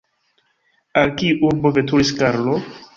Al kiu urbo veturis Karlo?